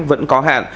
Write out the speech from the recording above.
vẫn có hạn